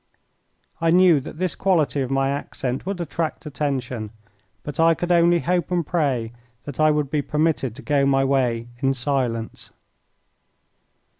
I knew that this quality of my accent would attract attention, but I could only hope and pray that I would be permitted to go my way in silence.